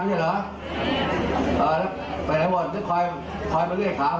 ต้องมาช่วยอีกครั้ง